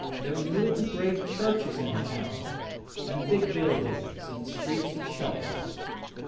There were new grey churches in the town, and big buildings, and streets of shops.